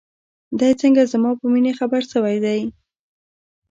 دى څنگه زما په مينې خبر سوى دى.